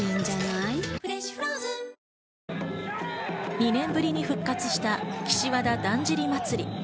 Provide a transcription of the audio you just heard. ２年ぶりに復活した岸和田だんじり祭。